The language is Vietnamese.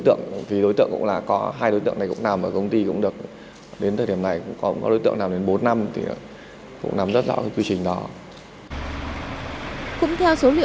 thì đối tượng cũng là có hai đối tượng này cũng nằm ở công ty cũng được đến thời điểm này